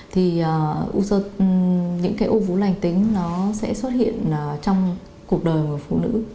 thì những cái u vú lành tính nó sẽ xuất hiện trong cuộc đời của phụ nữ